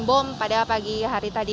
bom pada pagi hari tadi